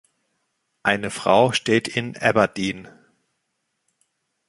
Eine Frau steht in Aberdeen.